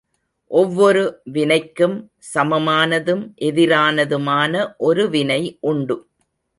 ஒவ்வொரு வினைக்கும் சமமானதும் எதிரானதுமான ஒரு வினை உண்டு.